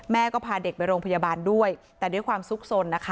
แม่ก็พาเด็กไปโรงพยาบาลด้วยแต่ด้วยความสุขสนนะคะ